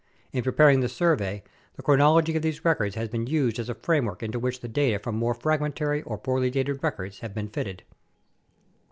In preparing this survey, the chronology of these records has been used as a framework into which the data from more fragmentary or poorly dated records have been fitted.